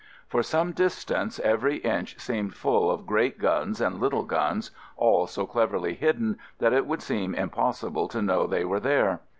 For some distance every inch 34 AMERICAN AMBULANCE seemed full of great guns and little guns, all so cleverly hidden that it would seem impossible to know they were there.